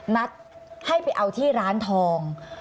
นัดให้ไปเอาที่ร้านทอง